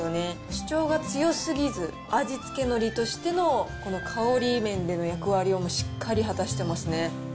主張が強すぎず、味付けのりとしての、この香り面での役割をしっかり果たしてますね。